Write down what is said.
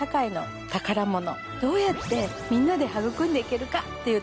どうやってみんなで育んでいけるかっていうところ。